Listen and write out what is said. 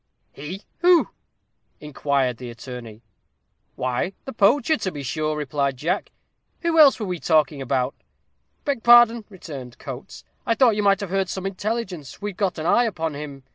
"He! who?" inquired the attorney. "Why, the poacher, to be sure," replied Jack; "who else were we talking about?" "Beg pardon," returned Coates; "I thought you might have heard some intelligence. We've got an eye upon him.